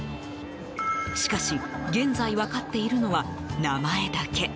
しかし現在分かっているのは名前だけ。